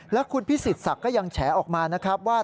แล้วคุณพิสิทธิศักดิ์ก็ยังแฉออกมานะครับว่า